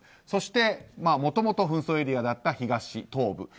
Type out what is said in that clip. そして、もともと紛争エリアだった東部。